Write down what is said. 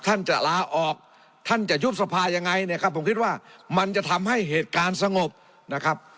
ท่านจะลาออกท่านจะยุบสภายังไงเนี่ยครับผมคิดว่ามันจะทำให้เหตุการณ์สงบนะครับ